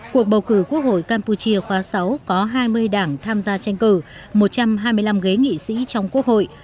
cuộc bầu cử quốc hội campuchia khóa sáu có hai mươi đảng tham gia tranh cử một trăm hai mươi năm ghế nghị sĩ trong quốc hội